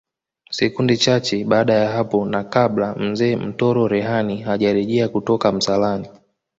Sekunde chache baada ya hapo na kabla Mzee Mtoro Rehani hajarejea kutoka msalani